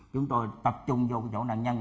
chúng tôi tập trung vô chỗ nạn nhân